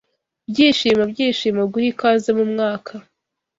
Byishimo, byishimo, guha ikaze mumwaka